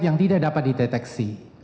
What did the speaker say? yang tidak dapat dideteksi